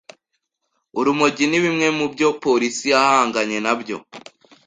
Urumogi ni bimwe mu byo Polisi yahanganye nabyo